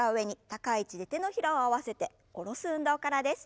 高い位置で手のひらを合わせて下ろす運動からです。